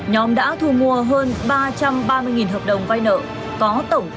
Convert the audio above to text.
nhóm đã thu mua hơn ba trăm ba mươi hợp đồng vai nợ